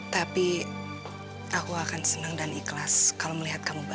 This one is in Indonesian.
tapi aku akan senang dan ikhlas kalau melihat kamu baik